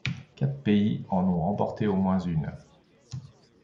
Quatre pays en ont remporté au moins une.